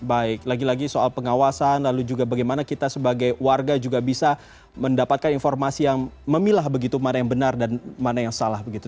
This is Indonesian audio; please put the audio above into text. baik lagi lagi soal pengawasan lalu juga bagaimana kita sebagai warga juga bisa mendapatkan informasi yang memilah begitu mana yang benar dan mana yang salah begitu